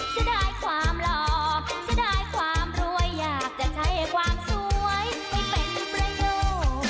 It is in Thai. จะได้ความหลอกจะได้ความรวยอยากจะใช้ความสวยให้เป็นประโยชน์